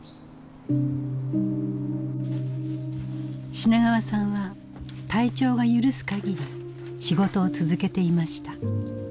品川さんは体調が許すかぎり仕事を続けていました。